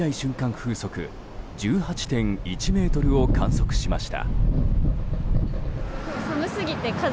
風速１８．１メートルを観測しました。